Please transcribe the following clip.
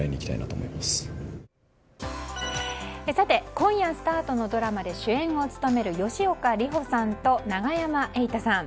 今夜スタートのドラマで主演を務める吉岡里帆さんと永山瑛太さん。